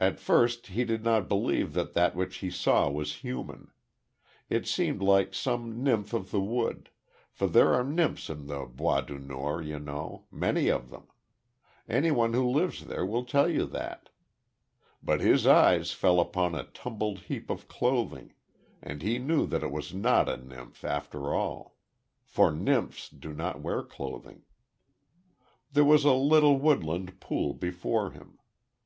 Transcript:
At first he did not believe that that which he saw was human. It seemed like some nymph of the wood; for there are nymphs in the Bois du Nord, you know, many of them. Anyone who lives there will tell you that. But then his eyes fell upon a tumbled heap of clothing; and he knew that it was not a nymph, after all. For nymphs do not wear clothing. There was a little woodland pool before him.